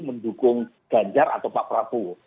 mendukung ganjar atau pak prabowo